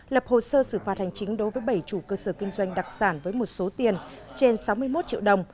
lập hồ sơ xử phạt hành chính đối với bảy chủ cơ sở kinh doanh đặc sản với một số tiền trên sáu mươi một triệu đồng